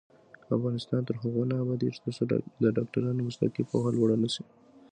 افغانستان تر هغو نه ابادیږي، ترڅو د ډاکټرانو مسلکي پوهه لوړه نشي.